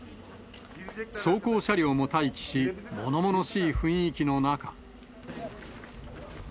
装甲車両も待機し、ものものしい雰囲気の中。